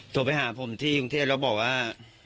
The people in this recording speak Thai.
โทรไปหาผมที่กรุงเทพแล้วบอกว่า